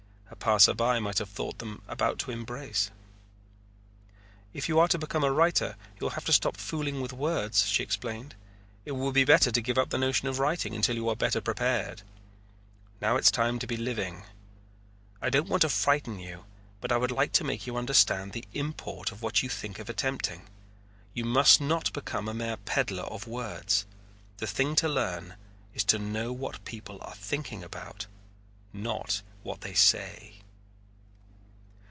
A passer by might have thought them about to embrace. "If you are to become a writer you'll have to stop fooling with words," she explained. "It would be better to give up the notion of writing until you are better prepared. Now it's time to be living. I don't want to frighten you, but I would like to make you understand the import of what you think of attempting. You must not become a mere peddler of words. The thing to learn is to know what people are thinking about, not what they say."